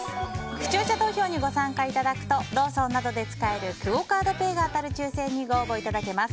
視聴者投票にご参加いただくとローソンなどで使えるクオ・カードペイが当たる抽選にご応募いただけます。